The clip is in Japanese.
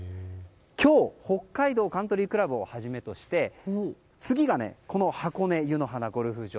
今日、北海道カントリークラブをはじめとして次が、箱根湯の花ゴルフ場。